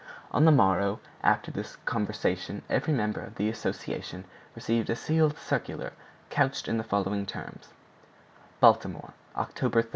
On the morrow after this conversation every member of the association received a sealed circular couched in the following terms: BALTIMORE, October 3.